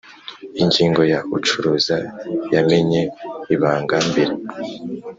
Ingingo ya Ucuruza yamenye ibanga mbere